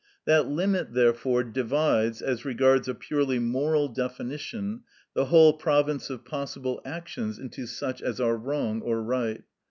That limit, therefore, divides, as regards a purely moral definition, the whole province of possible actions into such as are wrong or right.